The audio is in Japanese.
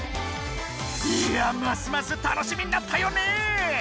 いやますます楽しみになったよね！